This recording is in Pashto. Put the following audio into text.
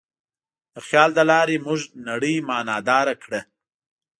د خیال له لارې موږ نړۍ معنیداره کړه.